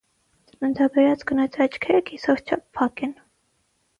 Ծննդաբերած կնոջ աչքերը կիսով չափ փակ են։